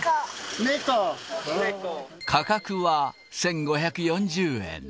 価格は１５４０円。